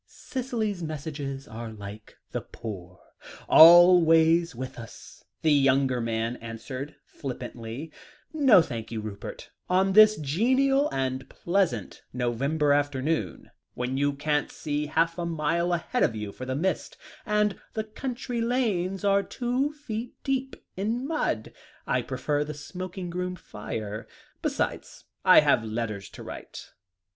"Cicely's messages are like the poor always with us," the younger man answered flippantly; "no, thank you, Rupert; on this genial and pleasant November afternoon, when you can't see half a mile ahead of you for the mist, and the country lanes are two feet deep in mud, I prefer the smoking room fire. Besides, I have letters to write."